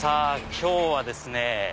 今日はですね